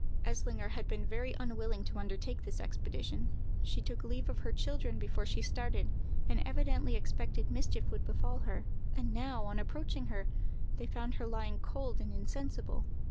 Eslinger had been very unwilling to undertake this expedition: she took leave of her children before she started, and evidently expected mischief would befall her; and now, on approaching her, they found her lying cold and insensible.